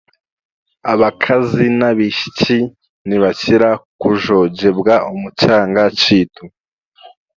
Abakazi n'abaishiki nibakira kujogyebwa omu kyanga kyaitu